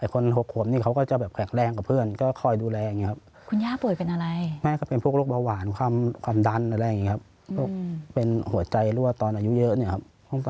แต่คน๖ขวบนี่เขาก็จะแบบแขกแรงกับเพื่อนก็คอยดูแลอย่างนี้ครับ